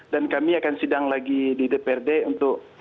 dan kami akan sedang lagi di dprd untuk